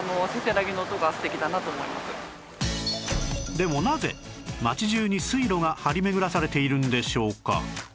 でもなぜ町中に水路が張り巡らされているんでしょうか？